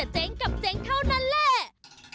เจ๊งกับเจ๊งเท่านั้นแหละ